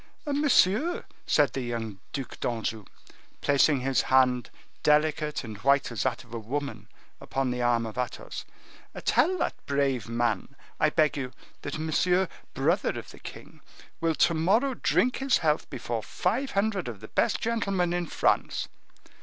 "Monsieur," said the young Duc d'Anjou, placing his hand, delicate and white as that of a woman, upon the arm of Athos, "tell that brave man, I beg you, that Monsieur, brother of the king, will to morrow drink his health before five hundred of the best gentlemen of France."